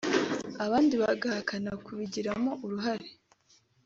abandi bagahakana kubigiramo uruhare